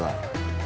udah saya siapkan